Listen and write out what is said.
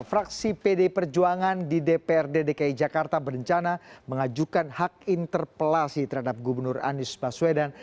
fraksi pd perjuangan di dprd dki jakarta berencana mengajukan hak interpelasi terhadap gubernur anies baswedan